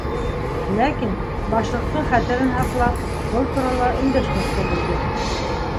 Ләкин, Башлыҡтың хәтерен һаҡлап, был турала өндәшмәҫкә булды.